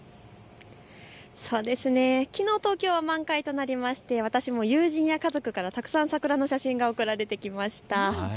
そうですね、きのう東京は満開となりまして私も友人や家族からたくさん桜の写真が送られてきました。